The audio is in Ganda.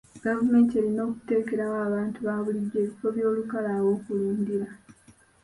Gavumenti erina okuteerawo abantu ba bulijjo ebifo by'olukale aw'okulundira.